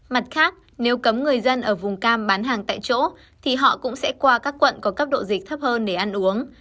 mặt khác nếu cấm người dân ở vùng cam bán hàng tại chỗ thì họ cũng sẽ qua các quận có cấp độ dịch thấp hơn để ăn uống